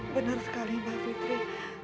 benar sekali mbak fitri